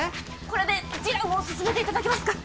これで示談を進めていただけますか？